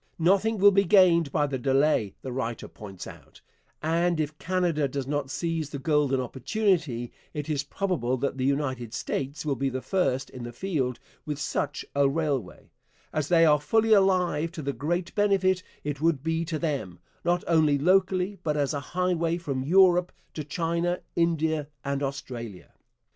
Nothing will be gained by delay, the writer points out; and if Canada does not seize the golden opportunity, it is probable that the United States will be first in the field with such a railway, 'as they are fully alive to the great benefit it would be to them, not only locally, but as a highway from Europe to China, India, and Australia.'